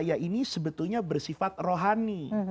yang cahaya ini sebetulnya bersifat rohani